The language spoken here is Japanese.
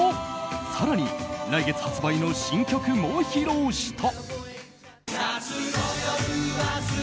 更に、来月発売の新曲も披露した。